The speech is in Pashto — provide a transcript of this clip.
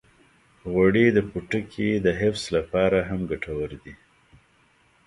غوړې د پوټکي د حفظ لپاره هم ګټورې دي.